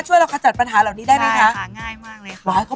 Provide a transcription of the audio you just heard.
ช่วยเราขจัดปัญหาเหล่านี้ได้ไหมคะ